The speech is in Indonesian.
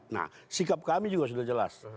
nah sikap kami juga sudah jelas